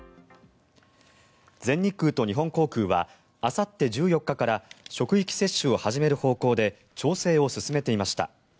全日空と日本航空はあさって１４日から職域接種を始める方向で調整を進めていました。